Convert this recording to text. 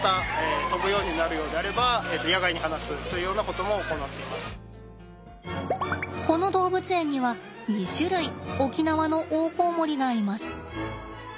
もともとこの動物園には２種類沖縄のオオコウモリがいます。